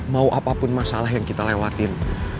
mau apapun masalah yang kita lewatin